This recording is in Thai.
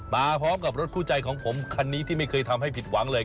มาพร้อมกับรถคู่ใจของผมคันนี้ที่ไม่เคยทำให้ผิดหวังเลย